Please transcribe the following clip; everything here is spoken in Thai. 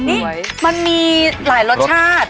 นี่มันมีหลายรสชาติ